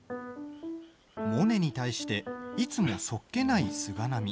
モネに対していつもそっけない菅波。